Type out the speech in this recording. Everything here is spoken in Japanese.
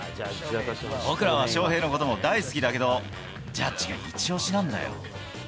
僕らは翔平のことも大好きだけど、ジャッジが一押しなんだよ。